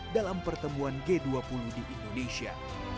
dalam pertemuan g dua puluh di indonesia